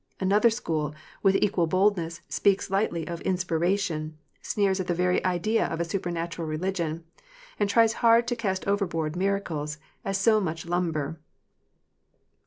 Another school, with equal boldness, speaks lightly of inspiration, sneers at the very idea of a supernatural religion, and tries hard to cast overboard miracles as so much lumber.